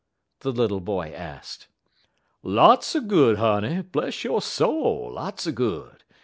the little boy asked. "Lots er good, honey; bless yo' soul, lots er good.